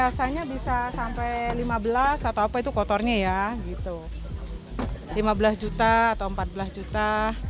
rasanya bisa sampai lima belas atau apa itu kotornya ya gitu lima belas juta atau empat belas juta